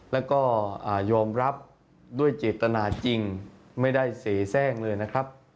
แล้วก็ยอมรับด้วยเจตนาจริงไม่ได้เสียแทรกเลยนะครับ